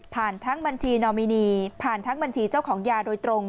ทั้งบัญชีนอมินีผ่านทั้งบัญชีเจ้าของยาโดยตรง